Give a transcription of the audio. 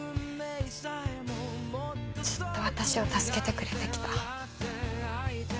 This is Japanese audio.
ずっと私を助けてくれて来た。